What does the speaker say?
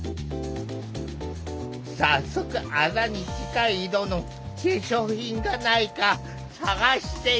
早速あざに近い色の化粧品がないか探してみると。